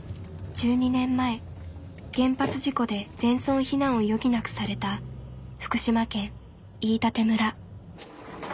１２年前原発事故で全村避難を余儀なくされた福島県飯舘村。